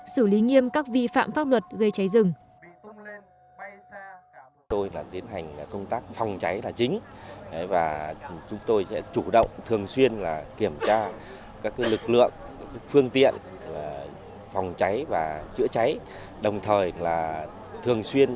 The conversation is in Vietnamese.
xử lý nghiêm các vi phạm pháp luật gây cháy rừng